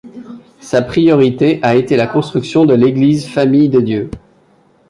Sa priorité a été la construction de l'Eglise famille de Dieu.